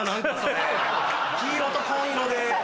黄色と紺色で。